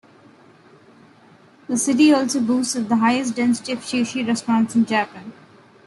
The city also boasts of the highest density of sushi restaurants in Japan.